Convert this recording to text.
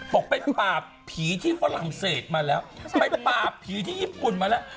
บอกไปปราบผีที่ฝรั่งเศสมาแล้วไปปราบผีที่ญี่ปุ่นมาแล้ว